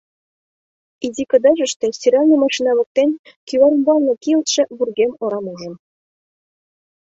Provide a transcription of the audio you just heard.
Изи кыдежыште стиральный машина воктен, кӱвар ӱмбалне кийылтше вургем орам ужым.